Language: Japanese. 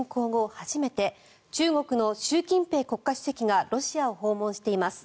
初めて中国の習近平国家主席がロシアを訪問しています。